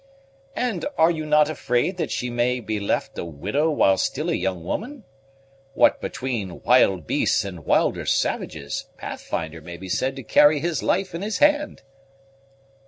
"And are you not afraid that she may be left a widow while still a young woman? what between wild beasts, and wilder savages, Pathfinder may be said to carry his life in his hand."